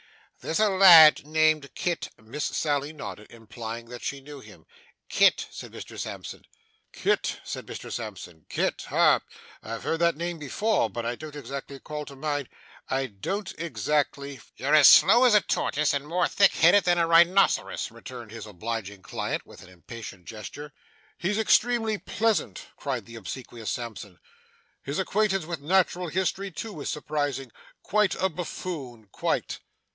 There's a lad named Kit ' Miss Sally nodded, implying that she knew of him. 'Kit!' said Mr Sampson. 'Kit! Ha! I've heard the name before, but I don't exactly call to mind I don't exactly ' 'You're as slow as a tortoise, and more thick headed than a rhinoceros,' returned his obliging client with an impatient gesture. 'He's extremely pleasant!' cried the obsequious Sampson. 'His acquaintance with Natural History too is surprising. Quite a Buffoon, quite!